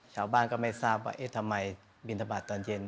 ชาวบ้านก็ไม่ทราบว่าทำไมบินทบาทตอนเย็น